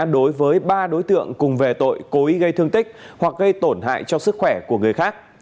đối với ba đối tượng cùng về tội cố ý gây thương tích hoặc gây tổn hại cho sức khỏe của người khác